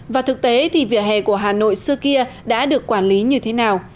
và thực tế thì vỉa hè của hà nội xưa kia đã được quản lý như thế nào